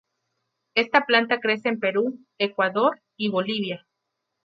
Esta planta crece en Perú, Ecuador y Bolivia.